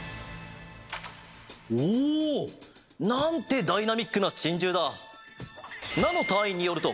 おお！なんてダイナミックなチンジューだ。